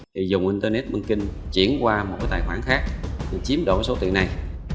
thì dùng internet banking chuyển qua một cái tài khoản khác để chiếm đổi số tiền này